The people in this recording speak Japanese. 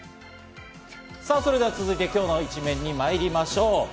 さぁそれでは、続いて今日の一面にまいりましょう。